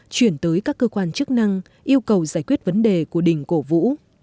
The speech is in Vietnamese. chuyển tới các cơ quan chức năng yêu cầu giải quyết vấn đề của đình cổ vũ